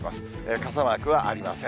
傘マークはありません。